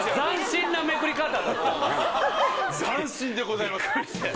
斬新でございます